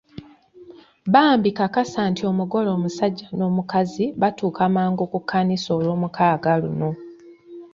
Bambi kakasa nti omugole omusajja n'omukazi batuuka mangu ku kkanisa olwomukaaga luno.